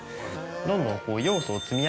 どんどん。